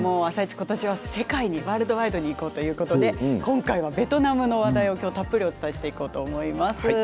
今年は世界にワールドワイドにいこうということで今日はベトナムの話題をお伝えしていきます。